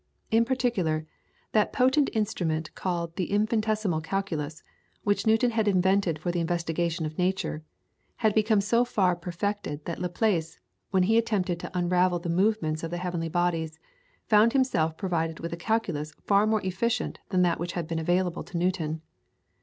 In particular, that potent instrument called the infinitesimal calculus, which Newton had invented for the investigation of nature, had become so far perfected that Laplace, when he attempted to unravel the movements of the heavenly bodies, found himself provided with a calculus far more efficient than that which had been available to Newton.